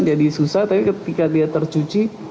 jadi susah tapi ketika dia tercuci